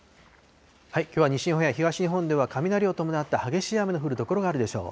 きょうは西日本や東日本では雷を伴った激しい雨の降る所があるでしょう。